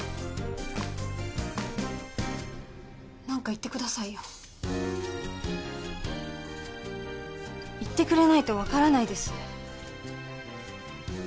何か言ってくださいよ言ってくれないとわからないです